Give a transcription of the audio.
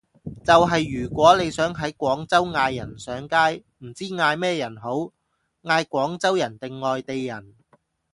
就係如果你想喺廣州嗌人上街，唔知嗌咩人好，嗌廣州人定外地人？